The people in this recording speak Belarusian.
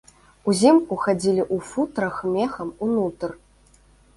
Узімку хадзілі ў футрах мехам унутр.